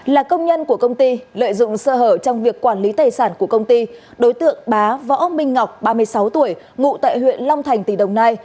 là công nhân của công ty lợi dụng sơ hở trong việc quản lý tài sản của công ty đối tượng bá võ minh ngọc ba mươi sáu tuổi ngụ tại huyện long thành tỉnh đồng nai